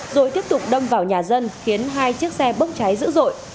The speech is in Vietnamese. rồi tiếp tục đâm vào nhà dân khiến hai chiếc xe bốc cháy dữ dội